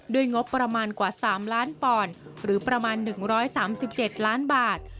งบประมาณกว่า๓ล้านปอนด์หรือประมาณ๑๓๗ล้านบาท